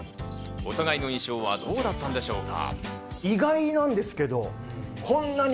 お互いの印象はどうだったんでしょうか？